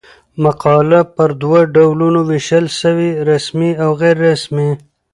مقاله پر دوه ډولونو وېشل سوې؛ رسمي او غیري رسمي.